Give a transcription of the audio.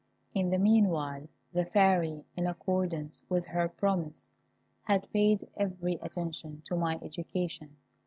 In the meanwhile, the Fairy, in accordance with her promise, had paid every attention to my education.